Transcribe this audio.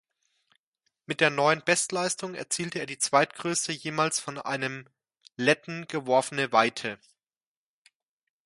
Mit der neuen Bestleistung erzielte er die zweitgrößte jemals von einem Letten geworfene Weite.